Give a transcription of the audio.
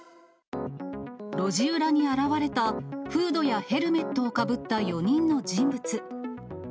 路地裏に現れた、フードやヘルメットをかぶった４人の人物。